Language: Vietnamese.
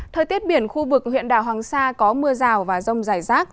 thời tiết biển khu vực huyện đảo hoàng sa có mưa rào và rông rải rác